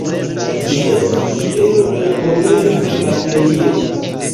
Ĝi estis ero de la "Pommern-Baterio".